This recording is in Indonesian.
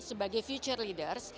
sebagai future leaders